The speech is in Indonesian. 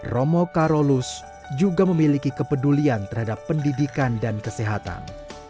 romo karolus juga memiliki kepedulian terhadap pendidikan dan kesehatan